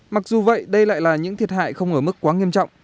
mặc dù vậy đây lại là những thiệt hại không ở mức quá nghiêm trọng